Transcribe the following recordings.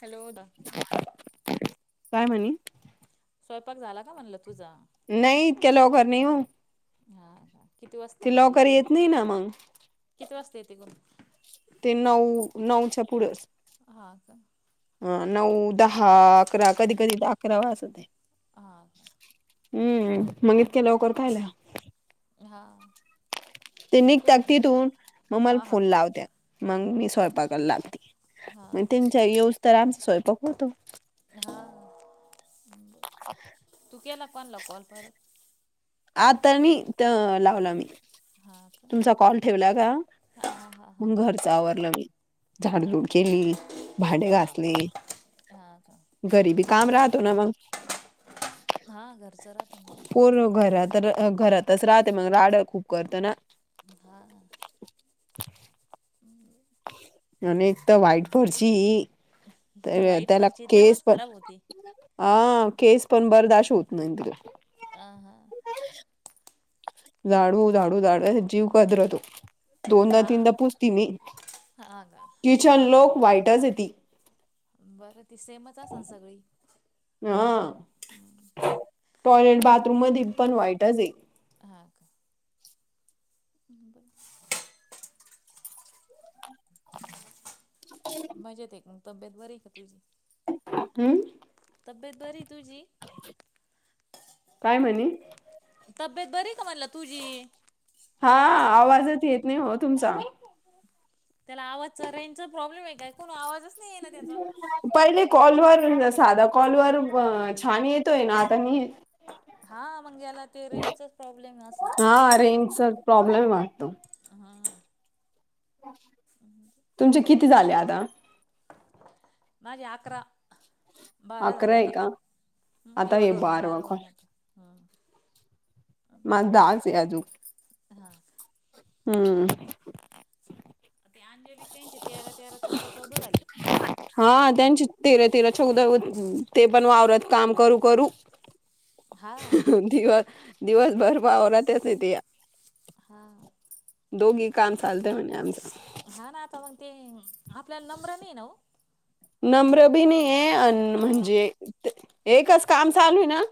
Hello ददा काय म्हणे स्वयंपाक झाला का म्हणलं तुझा नाही इतक लॉवकर नाही हो हा काा किती वाजता ते क लवकर लागते येत नाही ना मग किती वाजता येते गण [unintelligible] ते नऊ नऊच्या पुढं ह का ह नऊ दहा अकरा कधी कधी अकरा वा असते हा हम्म मग इतक्या लवकर कायला का हा ते तू निघत तिथून मग मला हा हा फोन लावत मग मी स्वयंपाकला लागते हा मग का त्यांच्या येऊस तोर आमचा स्वयंपाक होतो हा तू केला कोनला कॉल परत आ तर नाही लावला मी हा का तुमचा कॉल ठेवला का हा हा हा हा मग घरच आवरलं मी हा झाडझूड का केली भांडे हा घासले का हा का गरीबी काम राहतो ना मग हा घरचं राहत ना पर घरात घरातच राहते मग राड खूप करतं ना बघा अक तर वाईट पुढची वाईट त्याला परची केस तेव्हाच प खराब होती हा केस पण बरदााश होत नाही तु अह हा दाडू दाडू दाड जीव का अध्रत दोनदा हा तीनदा पुूजती मी हा का किचन लोक वाईटच येते बरं ती सेमच अस ना सगळी हा टॉयलेट बाथरूम मध्ये पण वाईटच आहे ह का [unintelligible] ब [inaudible] मजेत हे तब्येत बरी आहे का तुझी हम्म तब्बेत बरी तुझी काय म्हणे तब्येत बरी का म्हला तुझी हा आवाजच येत नाही हो तुमचा त्याला आवाज चा रेंचा प्रॉब्लेम आहे काय को आवाज पहिले कॉलवर साधा कॉलोर छान येतोय ना आता हा मग याला ते रेंजचाच प्रॉब्लेम अस हा रेंजचा प्रॉब्लेम वातो तुमचे किती झाले आता मा जकरा बारा अकरा झाले आहे आता का आता हे धरून बारवा बारा कॉल होईन आता माझ दास ये हजु हा हम्म ते अंजली त्यांचे तेरा तेरा चौदा चौदा झाले हा त्यांची तीर तिर छोक ते पण वावरत काम करू करू हा दिव दिवसभर पावनाातच नाही ते हा दोघी काम चालते म्ह आमचा हा ना आता मग ते आपल्याला नम्र नाही ना हो नम्र बी नाही आहे अ म्हणजे एकच काम चालू आहे ना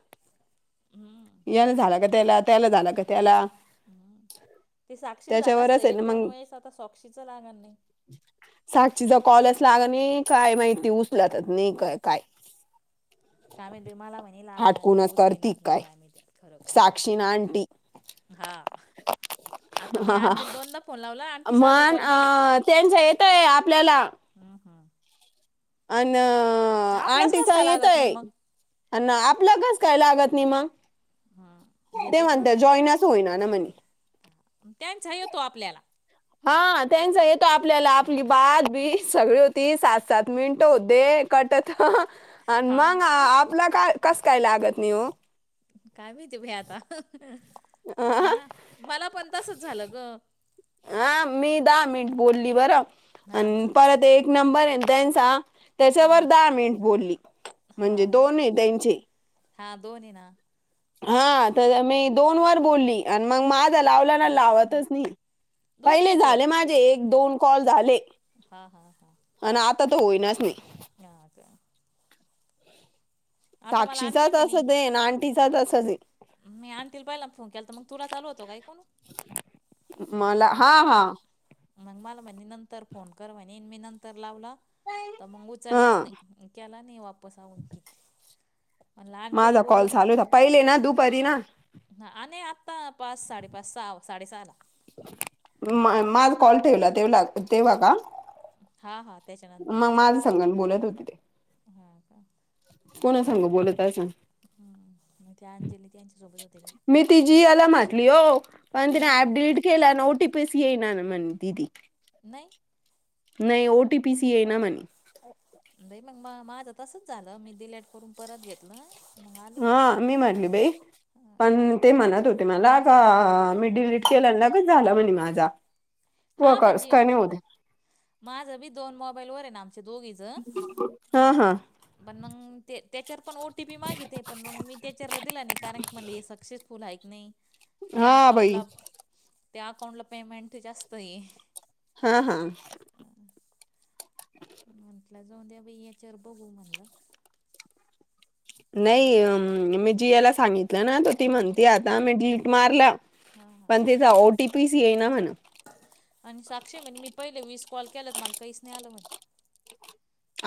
हम्म यान झाला का त्याला त्याला झालं का त्याला हम्म ते साक्षील झालं असत त्याच्यावरच आहे ना एक दोन मग वेळेस आता सॉक्षीच लागणार नाही सागचीचा कॉलच लाग नाही काय माहिती उचलतात नाही का काय काय म्ह मला म्ह लाग ना हाटकूनच उसली करती नाक नाही काय मी त्या खरं काही साक्षीन खोटं हा आता मी हा हा आंटीला दोनदा फोन लावला आंटी साधा मन कॉल बी अं त्यांच येतय आपल्याला हम्म हम् अ आपलाच कस आंटीचा काय लागत नाही येतय मग अ आपलं घस कायला लागत नाही मग हम्म ते घेतच म्हणत नस जॉयनाच होईना ना म्हणे तो आपल्याला हा त्यांचा येतो आपल्याला आपली हम्म. बाात बी सगळी होती सात सात मिनटं होते कटत आणि हा मग आपला का कस काय लागत नि हो काय माहिती भई आता ह ना मला पण तसच झालं ग ह मी दहा मिनिट बोलली बरं हा हा परत एक नंबर त्यांचा त्याच्यावर हा दहा मिनिट बोलली हा म्हणजे का दोन त्यांचे हा दोन्ही ना हा तर मी दोन वर बोलली आणि मग माझ लावल्या ना हा. लावतच नाही दोन्ही पहिले झाले याच्यावर माझे एक दोन कॉल झाले हा हा हा आणि आता तर होईनाच नाही या का आता मला आणते साक्षीचाच अस म्हणे देन आंटीचाच अस देन मी आणतील बाईला फोन केला तर मग तुला चालू होतो काय कोण मला हा हा मग मला म्ह नंतर फोन कर म्हणे मी नंतर लावलं तर मग उचललाच हा नाही केला नाही वापस आवन की माझा कॉल चालूता पहिले ना दुप. ह आणि आता पाच साडेपाच सहा साडेसहा ला. म माझ कॉल ठेवला तेव तेव्हा का. हा हा मग त्याच्यानंतरच माझ सांग बोलत होती ते हा का कोणा सांग बोलतय सांग. हम्म म. मी ति जी याला म्हटली हो पण तिने मग ऍप डिलीट केलं ओटीी. बसीय ना मन दीदी. नाही. नाही ओटी पी सीए ना म्हणे. नाही मग म माझं तसच झालं मी दिडलेट करून परत घेतलं. मग आलं ते हा मी म्हरली बाई पण ते म्हणत होते मला का. अ मिडलड केललगच झाला म्हणे माझा. हा वर्कर्स म्हणजे काय नाही होते माझ बी दोन मोबाईल व आहे नाम. हा हा दोघीजनत्याच्यात पण O T P. T P मागिते पण मग मी त्याच्यावरला दिला नाही कारण की मला हे सक्सेसफुल आहे क नाही. त्या हा बाई अकाउंटला त्या अकाउंटला पेमेंट जास्त आहे. हा हा. म्हटलं जाऊन द्या याच्यावर बघू म्हणलं. नाही मी जी याला सांगितलं ना त ती म्हणती आता मी डलीट मारलं. हा हा बणतेचा ओ टी पी स आहे ना म्हण. आणि साक्षी म्हणे मी पहिले वीस कॉल केलात मला काहीच नाही आलं म्हणे.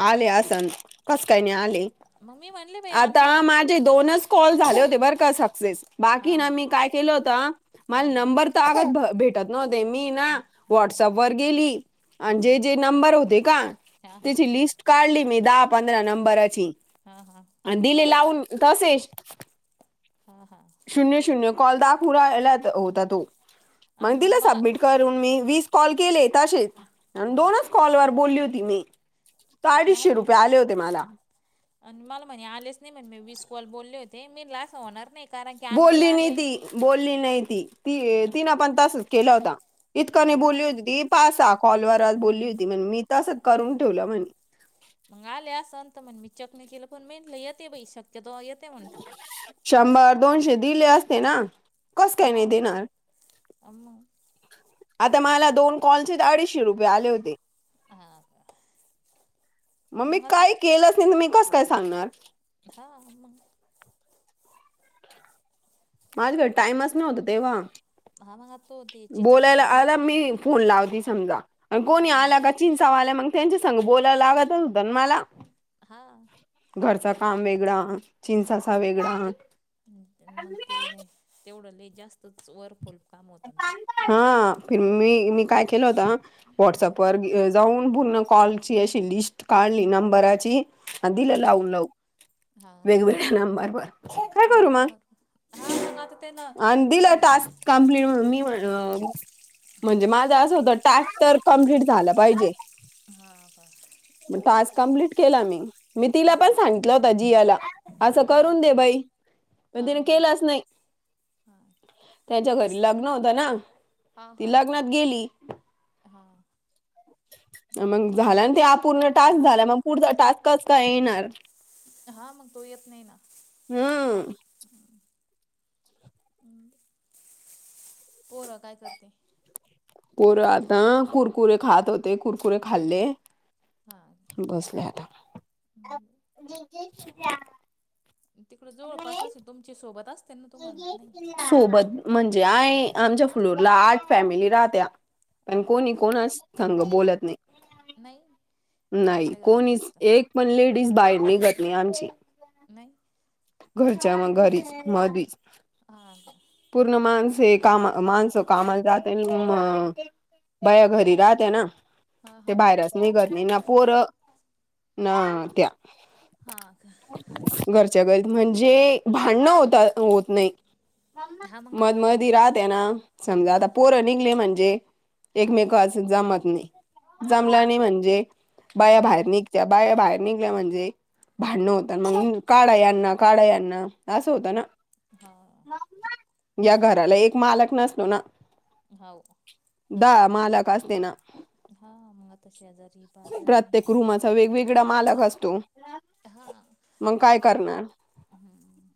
आले आसन कस काय नाही आले. ममी म. आता माझे दोनच कॉल झाले होते बरं का सक्सेस हा बाकीन हा मी काय केलं होत. मल हा हा नंबर तर आग. न मी ना हा हा हा व्हॉटसअप वर गेली हम्म आणि हम्म जे जे नंबर होते का. हा हा त्याची लिस्ट काढली मी दहा पंधरा नंबरची हा हा आणि दिले लावून. तसेच. हा हा. शून्य शून्य कॉलदा पुराला होता तो. मग आणि तिला मला सबमिट करून मी वीस कॉल के. तशीच आणि हा दोनच कॉल वर बोलली होती मी. तर म अडीचशे रुपये आले होते मला आणि मला म्हणे आलेच नाही म्हण म विस् कॉल बोलले होते मी लाट होणार नाही. कारण की आंटीला बोलली नाही आले ती बोलली नाही ती ती हा तिनं पण तसच केला होता. इतकं नाही हा बोलली होती ती पासा कॉलवर बोलली होती म्हण मी तसच करून ठेवलं म्हणे. मग आले असंंत म्हण मी चकने केलं पण मेट येते बा शक्य. तो येते म्हंटलं. शंभर दोनशे दिले असते ना कस काय नाही देणार. आम्हा. आता मला दोन कॉलचे अडीचशे रुपये आले होते. हा मग मी काय केलंच नाही तुम्ी कसं काय सांगणार. ा आ म. माझ्याकडे टाइमच नव्हता तेव्हा. ह का. बोलायला आता मी फोन लावते समजा कोणी हा आला का चिंचावा आला मग. त्यांच्या संघ बोलायला लागतच होत मला. हा घरचा काम वेगळा चिंचासा वेगळा. मग ते तेवढं ल जास्तच वरफोल. हाि मी मी काय केलं होत व्हॉट्सअप व जाऊन. पूर्ण कॉल ची अशी लिस्ट काढली नंबराची दिला हा हा लावून लाव हा ते काय करू बर मग हा ना तर ते ना ज कंप्ली मी म्हणजे माझा असं होतं टास्क तर कंप्लीट झालं पाहिजे हा बर मग टास्क कंप्लीट केला मी मी तिला पण सांगितलं होता जियाला असं हा करून दे बाई हा पण तिने हा केलाच नाही हा त्यांच्या घरी लग्न होत ना हा ती हा हा लग्नात गेली हा मग ब- झाला ते अूर्ण टास्क झाला मग पुढ टास्कच का येणार हा मग तो येत नाही ना हम्म पोर काय करते कोर आता कुरकुरे खात होते कुरकुरे खाल्ले हा बसले आता. तिकड जवळपास असं तुमच्या सोबतच असं सोबत म्हणजे आय आमच्या फ्लोअर आठ फॅमिली राहत्या. पण हा का कोणी कोणाच संग बोलत नाही. नाही नाही घरातल्या कोणी घरातच का एक पण लेडीज बाहेर निघत नाय आमची. नाही. घरच्या म घरीच मधी हा का पूर्ण माणसे हे कामा माणस कामाला जाते मं हा बया हा घरी राहत्या ना हा ते हा बाहेरच निघत नाय ना पोर ना त्या हा का घरच्या घरी म्हणजे भांडण होत होत नाही हा मग मध आता मध राहते ना समजा हा आता पोर निघले म्हण ते हा एकमेकांच जमत नाही हा जमला नाही म्हणजे बाया भांडण बाहेर होते निघत्या बाया बाहेर निघल्या म्हणजे भांडण भांडणं होता होते मंग काढा यांना काढा यांना असं हा होतं ना. हा या घराला एक मालक नसतो ना हाऊ दहा मालक असते ना. हा मंग आताशी प्रत्येक रूमाचा वेगवेगडा मालक असतो. हां, मंग काय करणार. हं,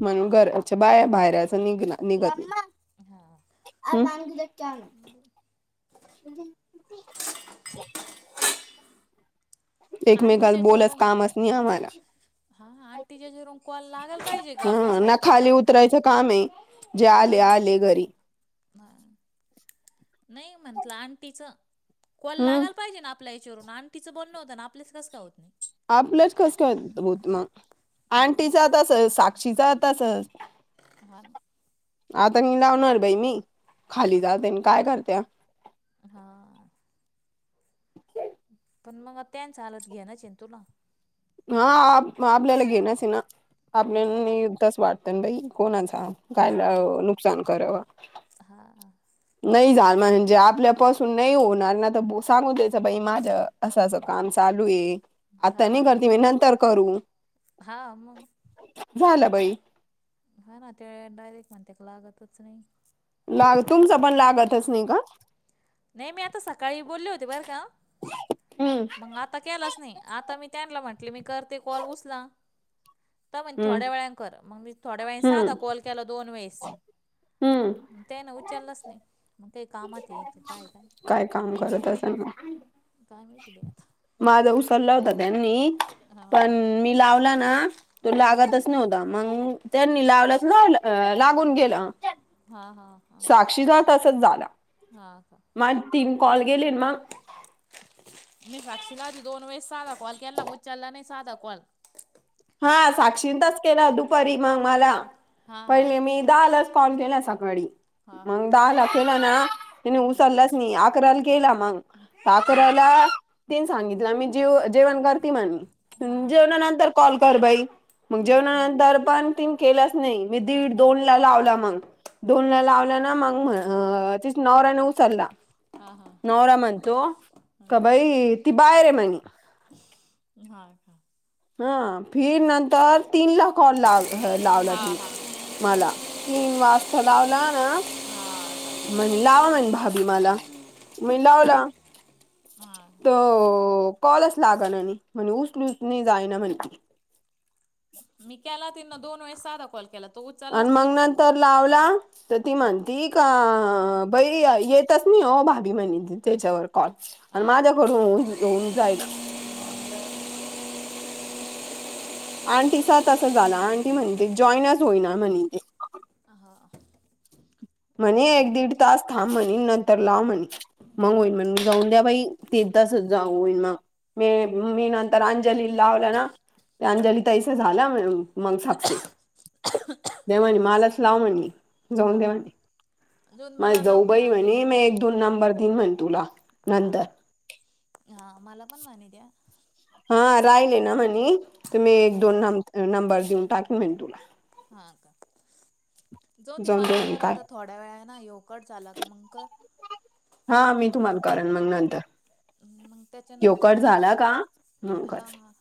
म्हणून घरच्या बायर बाहेर याच्या निघला निघत हां. [unintelligible] [inaudible] एकमेकात बोलस कामच नाही आम्हाला. हा आणि तीच्या ह्याच्यावरून कॉल लागाला पाहिजे ग ह ना आपल्यासारख्याच. खाली उतरायचं काम आहे जे आले आले घरी ह नाही म्हटलं आन्टी च कॉल हम्म लागायला पाहिजे ना आप आपल्याला ह्याच्या वरून आंटी चं बोलणं होत ना आपल्याच कंस काय होत नाही. आपलंच कसं काय होत म हं, आंटीचा तसचं साक्षीचा तसचं हा नं आता मी लावणार बाई नयी खाली जाते ना काय करत्या. हां, अ पण मग त्यांच हलत घेनच हाय ना तूला हा आप आपल्याला घेण चं ये ना आपल्या हां, नई तसं वाटतय नं बाई कोणाचा कायला हां, नुकसान कराव हां, नई झाल म्हणजे आपल्यापासून नई होणार ना त सांगू द्यायचं बाई माझ्या असं असं काम चालू ये. हा नंतर करू झालं बाई हा ना त्या डायरेक्ट म्हणत्या का लागतच नाई. लाग तुमचं पण लागतच नाही का? नाही मी आता सकाळी बोलले होते बरं का हम्म मग आता केलाच नाही आता मी त्यांना म्हटले मी करते कॉल उचला. तर म्हणे हम्म थोड्या वेळा कर मग मी थोड्या वेळा सांधा हम्म कॉल केला दोन वेळेस हम्म त्यानं उचललंच नाय मग काही कामात ये. काय काम करत असं म काय माहिती बाई आता. उचला होता त्यांनी हां पण मी लावला ना तो लागतच नव्हता मंग त्यांनी लावलाच लाग अ लागून गेलं. हां हां हां साक्षीचा तसच झाला. हां का माझ तीन कॉल गेले मग मी साक्षीला आधी दोन वेळेस साधा कॉल केला उचला नाही साधा कॉल हा साक्षींतच केलं दुपारी मग मला हां हां पहिले मी दाल फोन केला सकाळी हां हां मग दहा केला ना तिने उचलाच नाही आकाराला केला मग आकाराला तीन सांगितलं मी जे जेवण हां का जेवल्यानंतर कॉल कर बाई मग हां हां जेवल्यानंतर पण तिनं केलाच मी दिड दोन ला लावला मग दोन ला मग म्ह तिच्या नवऱ्याने उचला हां हां नवरा म्हणतो का बाई ति बाहेर आहे म्हणे हा हा फिर नंतर तीन ला कॉल ला लावला हां तिने हां हां मला तीन वाजता लावला ना म्हणे लावा म्हणे भाभी मला मी लावला हां तो कॉलच लाग ना आणि म्हण उचल उचणी जायना म्हणती मी केला तीना दोन वेळेस साधा कॉल केला तो उचललाच आणि मग नाही नंतर लावला तर ती हम्म. म्हणती का हम्म बई येत तस नाही हो भाभी म्हणे त्याच्यावर आणि हा का माझ्याकडून होऊन होऊन जायल आंटीचा तस झाला आंटी म्हणते जॉईनज होईना म्हणे ते हा म्हणे म्हटलं एक दीड तास थांब म्हणे नंतर लाव म्हणे मग होईल हा म्हण जाऊन द्या बाई ती तसच जाऊ मग मी मी नंतर अंजली लावलं ना ते अंजलीताईचा झाला मग सक्सेस देवानी हा मलाच लाव म्हण जाऊन हा देवानी अजून माझ मला लाव काय जाऊबाई म्हणे अंजलीला मी लाव एक दोन नंबर दिन म्हण तुला हा नंतर हा मला पण म्हणत्या हा राहिले ना म्हणे तर मी हा एक हा दोन न नंबर देऊन टाक म्हणे तुला जाऊदे जाऊन दे मला म्हणे कर काय आता थोड्या वेळाने नाही ह्यो कट का मग कर हा मी आणि तुम्हाला करेन मग नंतर मग यो कट त्याच्यानंतर झाला का मग हा कर हा